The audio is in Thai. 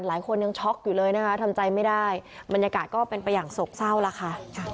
หลายคนยังช็อกอยู่เลยนะคะทำใจไม่ได้บรรยากาศก็เป็นไปอย่างโศกเศร้าแล้วค่ะ